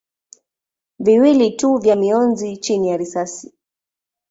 viwili tu vya mionzi chini ya risasi.